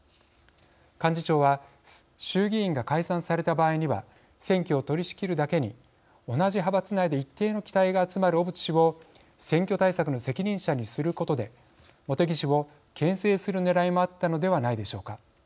幹事長は衆議院が解散された場合には選挙を取り仕切るだけに同じ派閥内で一定の期待が集まる小渕氏を選挙対策の責任者にすることで茂木氏をけん制するねらいもあったのではないでしょうか。